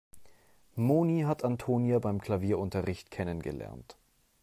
Moni hat Antonia beim Klavierunterricht kennengelernt.